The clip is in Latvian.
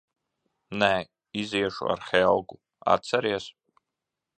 Nē. Iziešu ar Helgu, atceries?